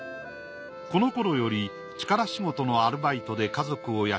この頃より力仕事のアルバイトで家族を養いつつ